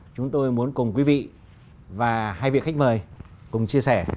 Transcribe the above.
chúng tôi muốn cùng quý vị và hai vị khách mời cùng chia sẻ